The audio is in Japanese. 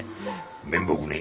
面目ねえ。